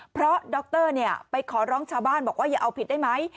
เพราะดรไปขอร้องชาวบ้านบอกว่าอย่าเอาผิดได้ไหม